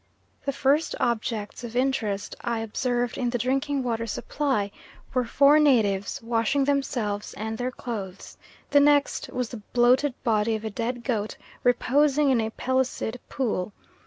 The first objects of interest I observed in the drinking water supply were four natives washing themselves and their clothes; the next was the bloated body of a dead goat reposing in a pellucid pool.